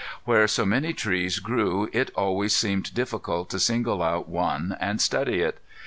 Where so many trees grew it always seemed difficult to single out one and study it.